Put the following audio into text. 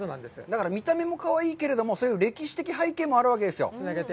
だから見た目もかわいいけれども、そういう歴史的背景もあるわけですよ。